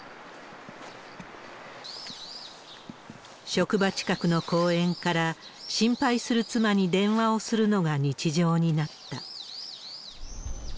職場近くの公園から、心配する妻に電話をするのが日常になった。